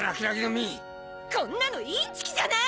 こんなのインチキじゃない！